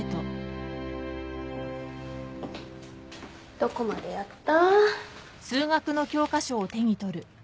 どこまでやった？